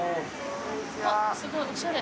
すごいおしゃれ。